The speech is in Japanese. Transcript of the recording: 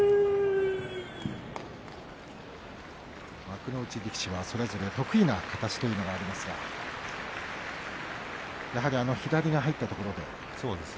幕内力士はそれぞれ得意な形というのがありますがやはりあの左が入ったところで。